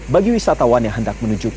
bagi wisatawan yang hendak menuju